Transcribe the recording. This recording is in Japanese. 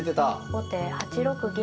後手８六銀。